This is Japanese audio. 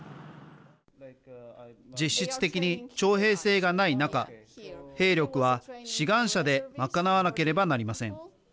実質的に徴兵制がない中兵力は志願者で賄わなければなりません。